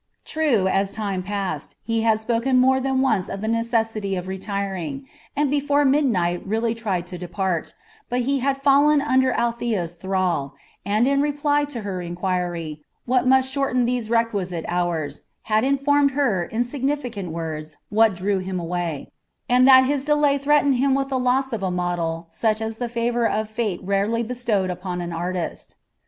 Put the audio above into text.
True, as time passed he had spoken more than once of the necessity of retiring, and before midnight really tried to depart; but he had fallen under Althea's thrall, and, in reply to her inquiry what must shorten these exquisite hours, had informed her, in significant words, what drew him away, and that his delay threatened him with the loss of a model such as the favour of fate rarely bestowed upon an artist.